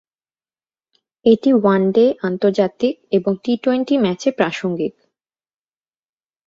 এটি ওয়ানডে আন্তর্জাতিক এবং টি-টোয়েন্টি ম্যাচে প্রাসঙ্গিক।